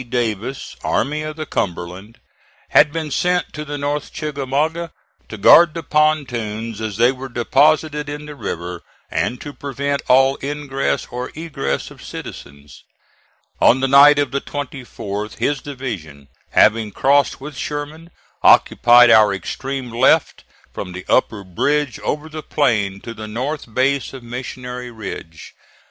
Davis, Army of the Cumberland, had been sent to the North Chickamauga to guard the pontoons as they were deposited in the river, and to prevent all ingress or egress of citizens. On the night of the 24th his division, having crossed with Sherman, occupied our extreme left from the upper bridge over the plain to the north base of Missionary Ridge.